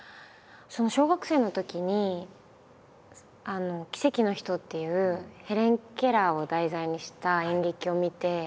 小学生のときに「奇跡の人」っていうヘレン・ケラーを題材にした演劇を見て。